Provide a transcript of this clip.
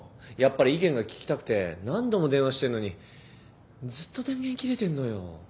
やっぱり意見が聞きたくて何度も電話してんのにずっと電源切れてんのよ。